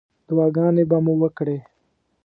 دعاګانې به مو وکړې.